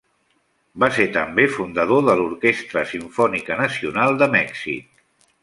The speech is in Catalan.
Va ser també fundador de l'Orquestra Simfònica Nacional de Mèxic.